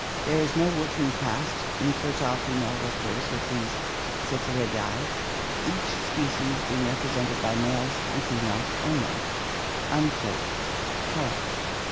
There is no working caste, infertile female workers, with these Psithyridae, each species being represented by males and fe males only" (Kellogg).